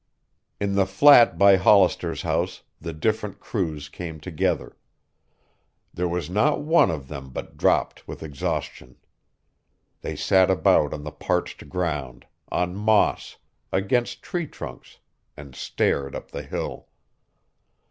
In the flat by Hollister's house the different crews came together. There was not one of them but drooped with exhaustion. They sat about on the parched ground, on moss, against tree trunks, and stared up the hill.